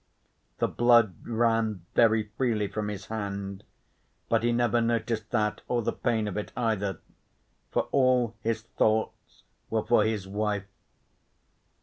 The blood ran very freely from his hand but he never noticed that or the pain of it either, for all his thoughts were for his wife.